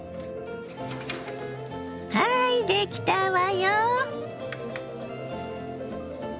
はいできたわよ。